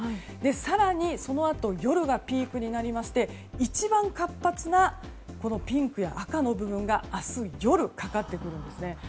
更に、そのあと夜がピークになりまして一番活発なピンクや赤の部分が明日夜かかってくるんですね。